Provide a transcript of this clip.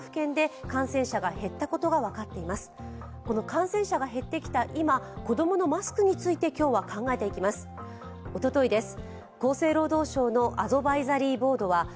感染者が減ってきた今、子供のマスクについて今日は考えていきます。